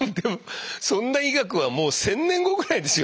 そんな医学はもう１，０００年後ぐらいですよ